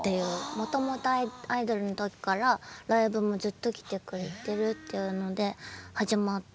もともとアイドルの時からライブもずっと来てくれてるっていうので始まって。